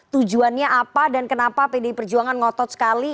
tujuannya apa dan kenapa pdi perjuangan ngotot sekali